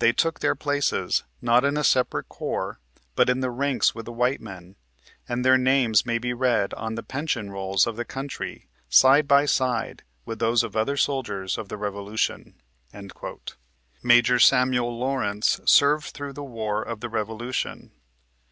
They took their places, not in a separate corps, but in the ranks with the white men ; and their names may be read on the pension rolls of the country, side by side with those of other soldiers of the Revolution." Major Samuel Lawrence served through the war of the Revolution.